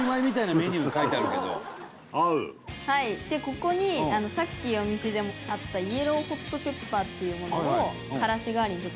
でここにさっきお店でもあったイエローホットペッパーっていうものを。